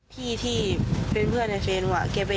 อ๋อครับ